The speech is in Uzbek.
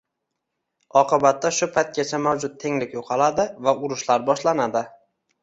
Oqibatda shu paytgacha mavjud tenglik yo‘qoladi va urushlar boshlanadi.